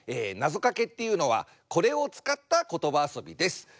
なぞかけっていうのはこれを使った言葉遊びです。